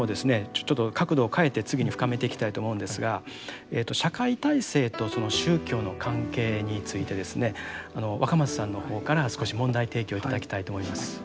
ちょっと角度を変えて次に深めていきたいと思うんですが社会体制と宗教の関係についてですね若松さんの方から少し問題提起を頂きたいと思います。